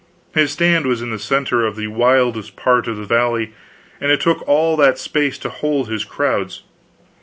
His stand was in the center of the widest part of the valley; and it took all that space to hold his crowds.